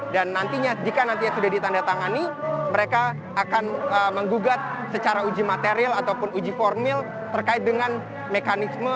dan nantinya jika nantinya sudah ditandatangani mereka akan menggugat secara uji material ataupun uji formil terkait dengan mekanisme